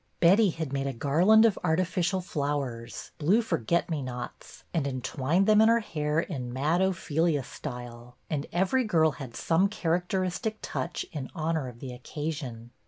Betty had made a garland of arti ficial flowers — blue forget me nots — and entwined them in her hair in Mad Ophelia style ; and every girl had some character istic touch in honor of the occasion.